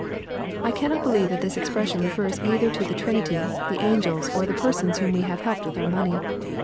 ] I cannot believe that this expression refers either to the Trinity, the angels, or the persons whom we have helped with our money.